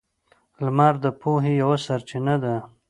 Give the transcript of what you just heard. • لمر د پوهې یوه سرچینه ده.